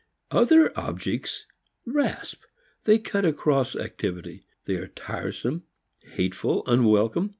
Other objects rasp; they cut across activity; they are tiresome, hateful, unwelcome.